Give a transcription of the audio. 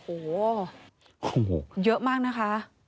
โอ้โหเยอะมากนะคะ